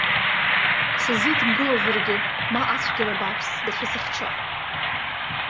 Сызидымгылозаргьы, ма ацәгьара бааԥс дацәысыхьчап.